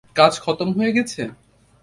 কাজ খতম হয়ে গেছে?